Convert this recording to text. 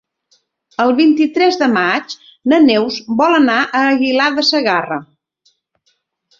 El vint-i-tres de maig na Neus vol anar a Aguilar de Segarra.